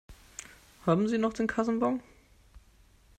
Haben Sie noch den Kassenbon?